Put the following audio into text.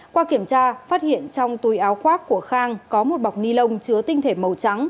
qua kiểm tra phát hiện trong túi áo khoác của khang có một bọc ni lông chứa tinh thể màu trắng